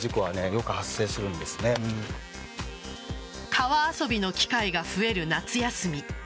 川遊びの機会が増える夏休み。